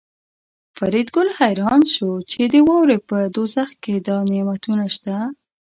فریدګل حیران شو چې د واورې په دوزخ کې دا نعمتونه شته